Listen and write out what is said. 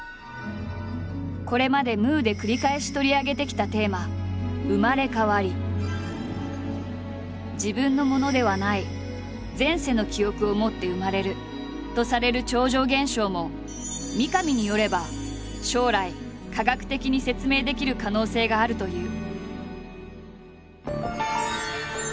これまで「ムー」で繰り返し取り上げてきたテーマ自分のものではない前世の記憶を持って生まれるとされる超常現象も三上によれば将来科学的に説明できる可能性があるという。